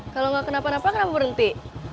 kalau gak kenapa napa kenapa berhenti